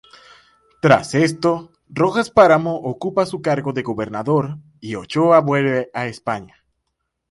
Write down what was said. Tras esto, Rojas Páramo ocupa su cargo de gobernador y Ochoa vuelve a España.